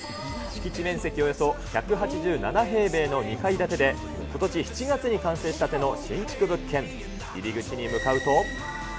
敷地面積およそ１８７平米の２階建てでことし７月に完成したての新築物件。